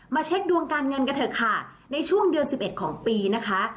เช็คดวงการเงินกันเถอะค่ะในช่วงเดือน๑๑ของปีนะคะ